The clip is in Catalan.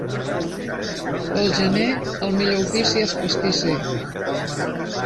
Pel gener, el millor ofici és pastisser.